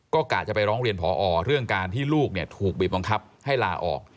ก็กะจะไปร้องเรียนพอเรื่องการที่ลูกถูกบีบบังคับให้ลาออก